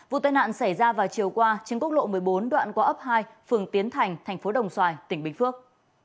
vụ tai nạn xảy ra vào chiều qua trên quốc lộ một mươi bốn đoạn qua ấp hai phường tiến thành thành phố đồng xoài tỉnh bình phước